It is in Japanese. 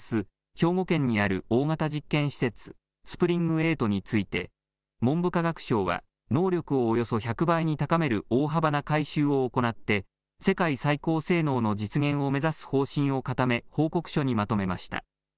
兵庫県にある大型実験施設、ＳＰｒｉｎｇー８について、文部科学省は能力をおよそ１００倍に高める大幅な改修を行って、世界最高性能の実現を目指す方針を固め、報告書にまとめました。